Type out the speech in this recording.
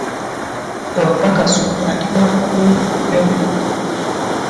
Omupakasi oyo alima bulungi nnyo.